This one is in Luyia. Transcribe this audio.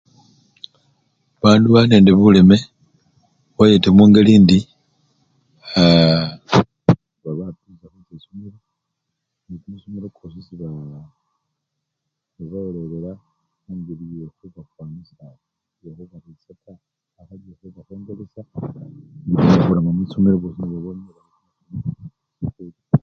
Bandu bali nende buleme khubayeta mungeli indi aa! babapilisya khucha esomelo.